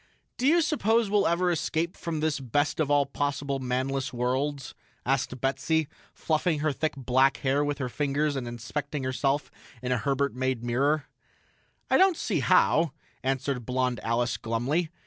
"Do you suppose we'll ever escape from this best of all possible manless worlds?" asked Betsy, fluffing her thick black hair with her fingers and inspecting herself in a Herbert made mirror. "I don't see how," answered blond Alice glumly.